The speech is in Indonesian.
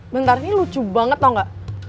bentar ini lucu banget tau gak